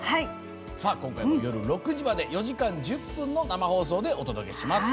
今回も夜６時まで４時間１０分の生放送でお届けします。